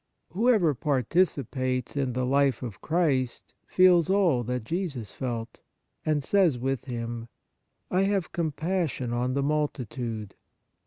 Whoever participates in the life of Christ feels all that Jesus felt,* and says with Him : "I have com passion on the multitude.